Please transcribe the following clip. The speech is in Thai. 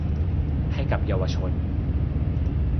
ให้กับเยาวชน